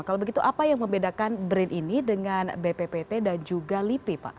kalau begitu apa yang membedakan brin ini dengan bppt dan juga lipi pak